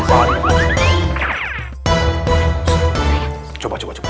saya ngerti jawabannya juga kalau gak percaya